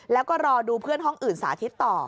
แล้วก็รอดูเพื่อนห้องอื่นสาธิตต่อ